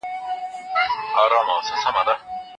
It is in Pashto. د غږیزې حافظې په وده کې تر لیکلو مخکې دي.